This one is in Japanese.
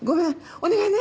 お願いね！